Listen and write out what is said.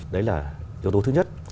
đấy là yếu tố thứ nhất